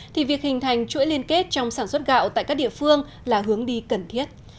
thì việc hình thành chuỗi liên kết trong sản xuất gạo tại các địa phương là hướng đi cần thiết